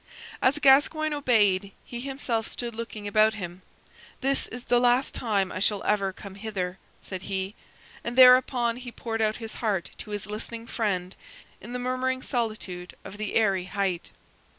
As Gascoyne obeyed, he himself stood looking about him. "This is the last time I shall ever come hither," said he. And thereupon he poured out his heart to his listening friend in the murmuring solitude of the airy height.